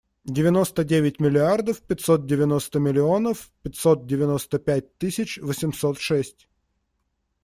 Девяносто девять миллиардов пятьсот девяносто миллионов пятьсот девяносто пять тысяч восемьсот шесть.